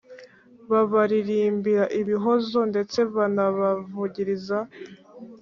babaririmbira ibihozo ndetse banabavugiriza